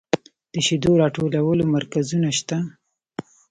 د شیدو راټولولو مرکزونه شته؟